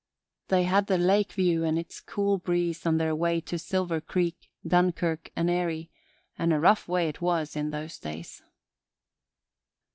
..." They had the lake view and its cool breeze on their way to Silver Creek, Dunkirk and Erie, and a rough way it was in those days.